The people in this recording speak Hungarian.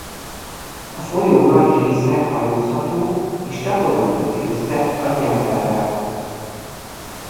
A folyó nagy része hajózható és csatorna köti össze a Dnyeperrel.